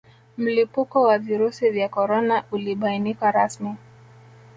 Mlipuko wa Virusi vya Korona ulibainika rasmi